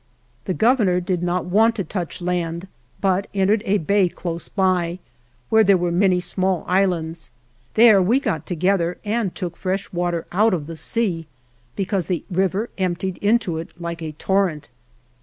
The Governor did not want to touch, but entered a bay close by, where there were many small islands. There we got together and took fresh water out of the sea, because the river emptied into it like a torrent.